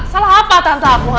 salah apa tante aku